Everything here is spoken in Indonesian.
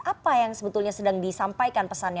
apa yang sebetulnya sedang disampaikan pesannya